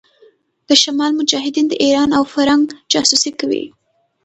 د شمال مجاهدين د ايران او فرنګ جاسوسي کوي.